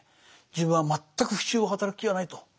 自分は全く不忠をはたらく気はないと。